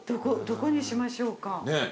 どこにしましょうか。ねぇ。